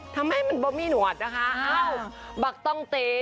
ทำให้มันบอบมี่หนวดนะคะอ้าวบักต้องเต๊